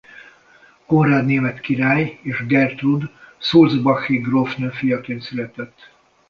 Konrád német király és Gertrúd sulzbachi grófnő fiaként született.